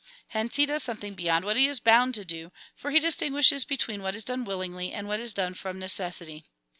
Hence he does something beyond what he is bound to do, for he distinguishes between what is done willingly and what is done from necessity.''